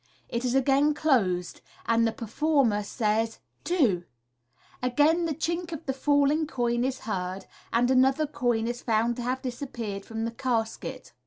It is again closed, and the performer says, " Two !" Again the chink of the falling coin is heard, and another coin is found to have disappeared from the casket.